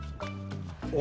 お。